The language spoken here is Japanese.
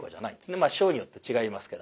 師匠によって違いますけども。